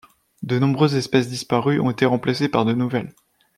De nombreuses espèces disparues ont été remplacées par de nouvelles.